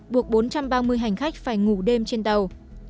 buộc bốn trăm ba mươi hành khách phải ngủ đêm trên tàu